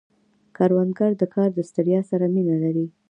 کروندګر د کار د ستړیا سره مینه لري